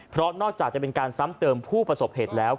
เพราะนอกจากจะเป็นการซ้ำเติมผู้ประสบเหตุแล้ว